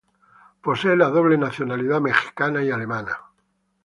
Posee la doble nacionalidad mexicana y alemana.